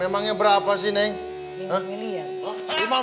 memangnya berapa sih neng